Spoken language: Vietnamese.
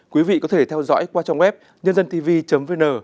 quý vị có thể theo dõi qua trong web nhândantv vn